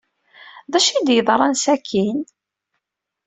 D acu i d-yeḍran sakkin?